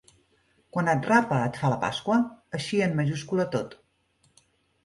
Quan et Rapa et fa la Pasqua, així en majúscula tot.